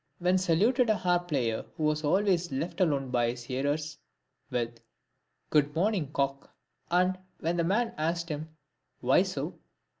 He saluted a harp player who was always left alone by his hearers, with, " Good morning, cock ;" and when the man asked him, "Why so